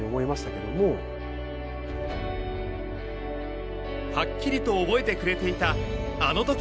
はっきりと覚えてくれていたあの時の言葉。